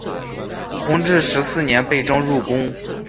弘治十四年被征入宫。